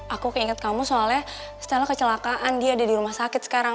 aku keinget kamu soalnya setelah kecelakaan dia ada di rumah sakit sekarang